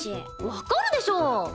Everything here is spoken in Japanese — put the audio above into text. わかるでしょ！